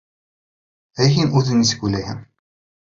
— Ә һин үҙең нисек уйлайһың?